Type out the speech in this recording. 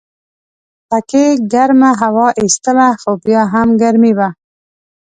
پکې ګرمه هوا ایستله خو بیا هم ګرمي وه.